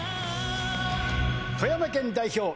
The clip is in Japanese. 富山県代表